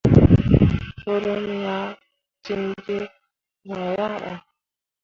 Forummi ah ciŋ gi no yaŋ ɓo.